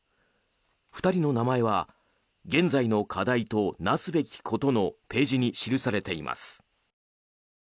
２人の名前は「現在の課題となすべきこと」のページに記されています。